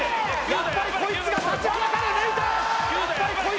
やっぱりコイツが立ちはだかる抜いた！